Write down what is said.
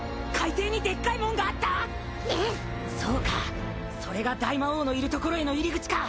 そうかそれが大魔王のいるところへの入り口か。